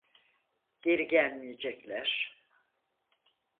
Geri gelmeyecekler.